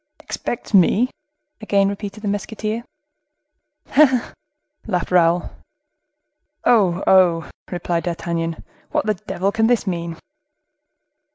"Expects me?" again repeated the musketeer. "He, he, he!" laughed Raoul. "Oh, oh!" replied D'Artagnan. "What the devil can this mean?"